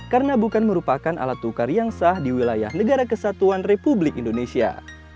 karena bukan merupakan alat tukar yang sah di wilayah negara kesatuan republik indonesia